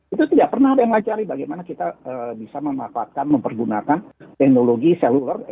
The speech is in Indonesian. itu tidak pernah ada yang mengacari bagaimana kita bisa memanfaatkan mempergunakan teknologi seluler